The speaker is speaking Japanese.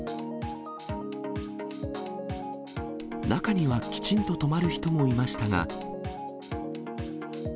中には、きちんと止まる人もいましたが。